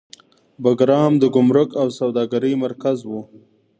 بګرام د ګمرک او سوداګرۍ مرکز و